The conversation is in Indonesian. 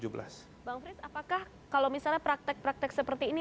bang frits apakah kalau misalnya praktek praktek seperti ini